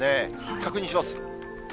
確認します。